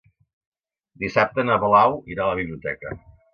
Dissabte na Blau irà a la biblioteca.